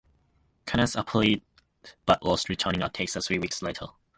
Knaus appealed, but lost, returning at Texas three weeks later.